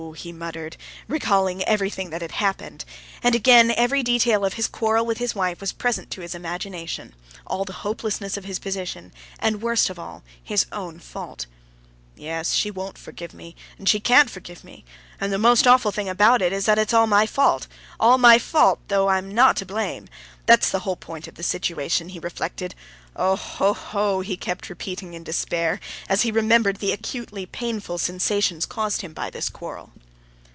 he muttered, recalling everything that had happened. And again every detail of his quarrel with his wife was present to his imagination, all the hopelessness of his position, and worst of all, his own fault. "Yes, she won't forgive me, and she can't forgive me. And the most awful thing about it is that it's all my fault—all my fault, though I'm not to blame. That's the point of the whole situation," he reflected. "Oh, oh, oh!" he kept repeating in despair, as he remembered the acutely painful sensations caused him by this quarrel.